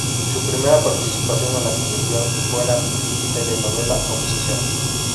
Su primera participación en la televisión fue en la telenovela "Obsesión".